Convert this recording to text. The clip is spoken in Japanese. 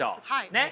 ねっ？